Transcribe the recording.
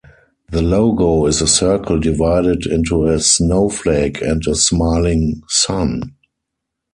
The logo is a circle divided into a snowflake and a smiling sun.